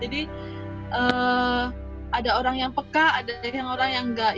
jadi ada orang yang peka ada orang yang nggak